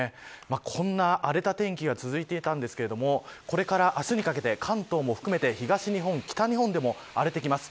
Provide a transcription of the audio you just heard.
今の荒れた天気が続いていたんですがこれから明日にかけて関東も含めて東日本、北日本でも荒れてきます。